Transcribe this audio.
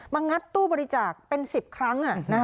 งัดตู้บริจาคเป็น๑๐ครั้ง